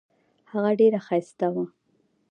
هغه ډیره ښایسته وه.